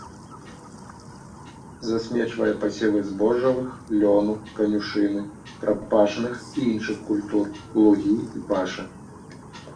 Засмечвае пасевы збожжавых, лёну, канюшыны, прапашных і іншых культур, лугі і пашы.